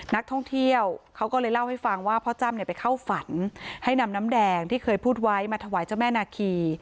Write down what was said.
นักท่องเที่ยวเขาก็เลยเล่าให้ฟังว่าพ่อจ้ำไปเข้าฝันให้นำน้ำแดงที่เคยพูดไว้มาถวายเจ้าแม่นาคี